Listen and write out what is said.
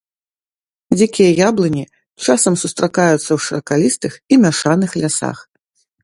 Дзікія яблыні часам сустракаюцца ў шыракалістых і мяшаных лясах.